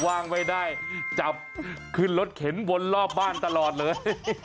ว่างไว้ได้จับขึ้นรถเข็นวนรอบบ้านตลอดเลย